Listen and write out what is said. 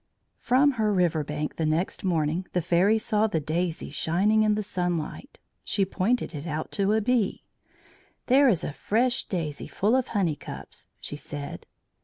From her river bank the next morning the Fairy saw the daisy shining in the sunlight. She pointed it out to a bee. "There is a fresh daisy full of honey cups," she said.